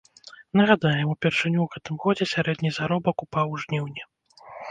Нагадаем, упершыню ў гэтым годзе сярэдні заробак упаў у жніўні.